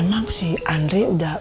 emang si andri udah